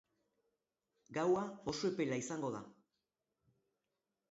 Gaua oso epela izango da.